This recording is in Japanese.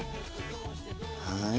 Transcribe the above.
はい。